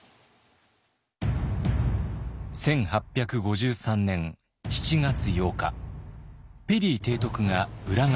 １８５３年７月８日ペリー提督が浦賀に来航。